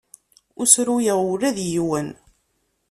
Ur ssruyeɣ ula d yiwen.